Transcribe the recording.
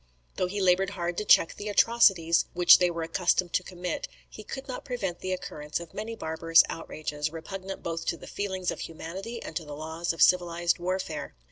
Though he laboured hard to check the atrocities which they were accustomed to commit, he could not prevent the occurrence of many barbarous outrages, repugnant both to the feelings of humanity and to the laws of civilized warfare.